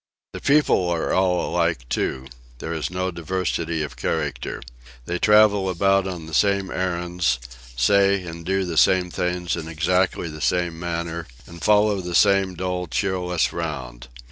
The people are all alike, too. There is no diversity of character. They travel about on the same errands, say and do the same things in exactly the same manner, and follow in the same dull cheerless round.